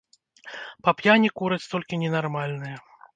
Па п'яні кураць толькі ненармальныя!